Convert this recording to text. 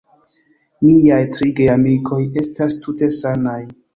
Miaj tri geamikoj estas tute sanaj.